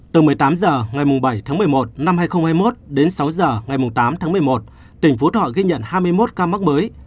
từ một mươi tám h ngày bảy tháng một mươi một năm hai nghìn hai mươi một đến sáu h ngày tám tháng một mươi một tỉnh phú thọ ghi nhận hai mươi một ca mắc mới